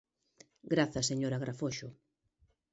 Grazas, señora Agrafoxo.